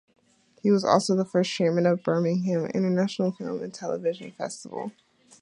He was also the first Chairman of Birmingham International Film and Television Festival.